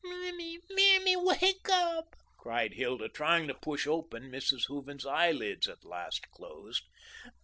"Mammy, mammy, wake up," cried Hilda, trying to push open Mrs. Hooven's eyelids, at last closed.